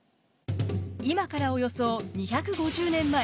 今からおよそ２５０年前。